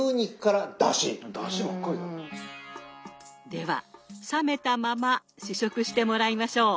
では冷めたまま試食してもらいましょう。